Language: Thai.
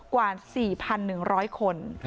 กว่า๔๑๐๐คน